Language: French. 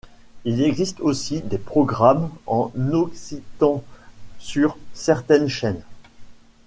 Il existe aussi des programmes en occitan sur certaines chaînes.